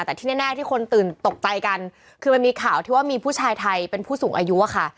แต่ที่แน่ที่คนตื่นตกใจกันคือมันมีข่าวที่ว่ามีผู้ชายไทยเป็นผู้สูงอายุอะค่ะ